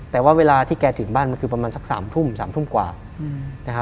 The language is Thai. แต่ว่าเวลาที่แกถึงบ้านมันคือประมาณสัก๓ทุ่ม๓ทุ่มกว่านะครับ